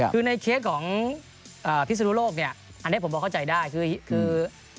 คือในเคล็กของพิศนุโลกอันที่ผมเข้าใจได้คือ